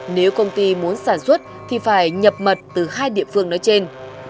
nếu công ty muốn sản xuất thì phải nhập mật từ hai địa phương nói trên